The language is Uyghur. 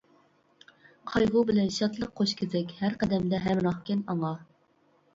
قايغۇ بىلەن شادلىق قوشكېزەك، ھەر قەدەمدە ھەمراھكەن ئاڭا.